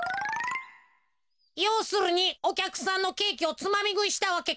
ようするにおきゃくさんのケーキをつまみぐいしたわけか。